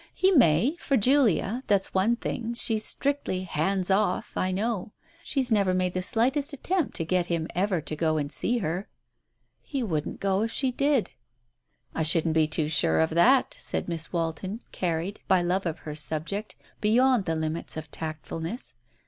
He may, for Julia, that's one thing, she's strictly ' hands off/ I know. She's never made the slightest attempt to get him ever to go and see her." "He wouldn't go if she did." "I shouldn't be too sure of that," said Miss Walton, carried, by love of her subject, beyond the limits of tactfulness.